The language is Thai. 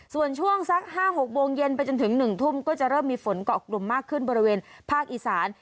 ส่วนช่วงสัก๕๖โมงเย็นไปจนถึง๑ทุ่มก็จะเริ่มมีฝนเกาะกลุ่มมากขึ้นบริเวณภาคอีสาน